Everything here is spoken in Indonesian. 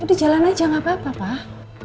udah jalan aja gak apa apa pak